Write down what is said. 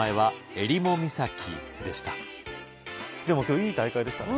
今日いい大会でしたね